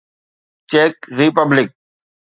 check republic